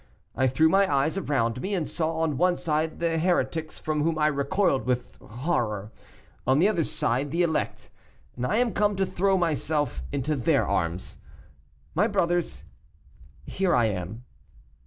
I threw my eyes around me, and saw on one side the heretics, from whom I recoiled with horror; on the other side the elect, and I am come to throw myself into their arms. My brothers, here I am."